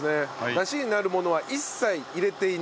ダシになるものは一切入れていないと。